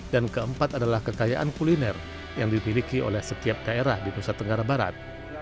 dan keempat adalah kekayaan kuliner yang dipiliki oleh setiap daerah di nusa tenggara barat